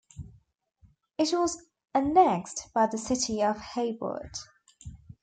It was annexed by the City of Hayward.